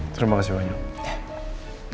terima kasih banyak